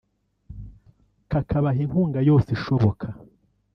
kakabaha inkunga yose ishoboka